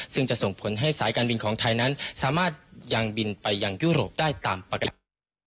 ซึ่งจะส่งผลให้สายการบินของไทยนั้นสามารถยังบินไปยังยุโรปได้ตามปกติ